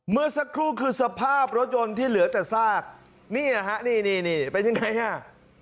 เมื่อสักครู่คือสภาพรถยนต์ที่เหลือแต่ซากนี่นะฮะนี่นี่เป็นยังไงฮะ